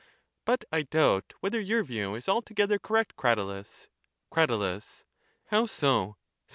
But I doubt whether yoiu view is altogether correct, Cratylus. Crat. How so?